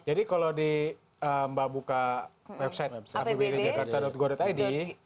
jadi kalau di mbak buka website apbdjakarta go id dua ribu enam belas dua ribu tujuh belas dua ribu delapan belas dua ribu sembilan belas